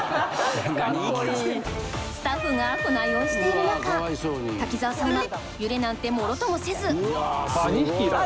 スタッフが船酔いしている中滝沢さんは揺れなんてもろともせず！